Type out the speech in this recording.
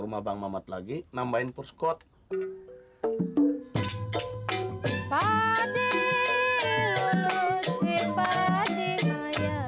rumah bang mamat lagi nambahin perskot padi lulusin padi mayang